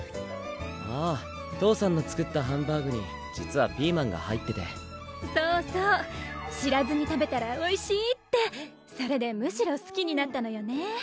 あぁ父さんの作ったハンバーグに実はピーマンが入っててそうそう知らずに食べたらおいしいってそれでむしろすきになったのよね